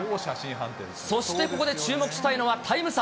そしてここで注目したいのはタイム差。